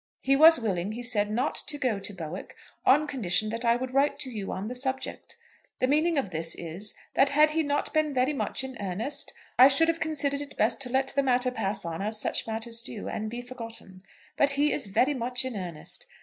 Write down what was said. He was willing, he said, not to go to Bowick on condition that I would write to you on the subject. The meaning of this is, that had he not been very much in earnest, I should have considered it best to let the matter pass on as such matters do, and be forgotten. But he is very much in earnest.